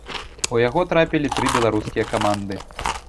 У яго трапілі тры беларускія каманды.